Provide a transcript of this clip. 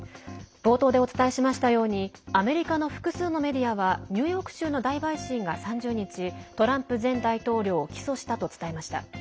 冒頭でもお伝えしましたようにアメリカの複数のメディアはニューヨーク州の大陪審が３０日トランプ前大統領を起訴したと伝えました。